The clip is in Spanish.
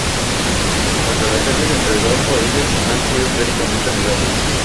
Las relaciones entre estos dos países han sido históricamente amigables.